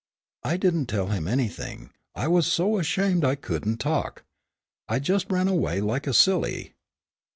"I didn't tell him anything. I was so ashamed I couldn't talk. I just ran away like a silly."